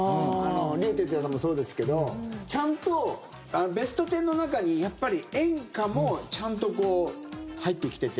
竜鉄也さんもそうですけどちゃんと「ベストテン」の中にやっぱり演歌もちゃんと入ってきてて。